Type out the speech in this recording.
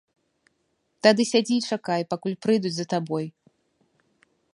Тады сядзі і чакай, пакуль прыйдуць за табой.